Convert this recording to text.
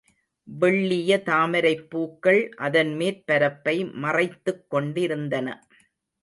வெள்ளிய தாமரைப் பூக்கள் அதன் மேற்பரப்பை மறைத்துக் கொண்டிருந்தன.